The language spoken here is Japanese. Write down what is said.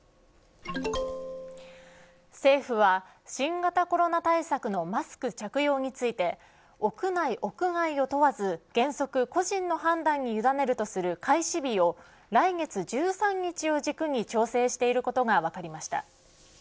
政府は新型コロナ対策のマスク着用について屋内、屋外を問わず原則個人の判断に委ねるとする開始日を来月１３日を軸に調整していることが分かりました。